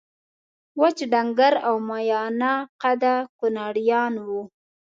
وچ ډنګر او میانه قده کونړیان وو